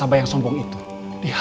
kenapa ekosistem ini keturunan